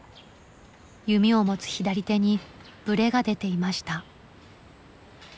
弓を持つ左手にブレが出ていました。